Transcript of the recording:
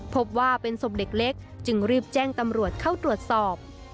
พบว่าเป็นศพเด็กเล็กจึงรีบแจ้งตำรวจเข้าตรวจสอบ